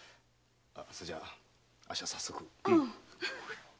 それじゃああっしは早速。